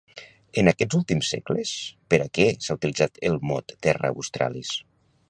En aquests últims segles, per a què s'ha utilitzat el mot Terra Australis?